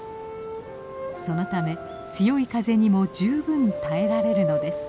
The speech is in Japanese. そのため強い風にも十分耐えられるのです。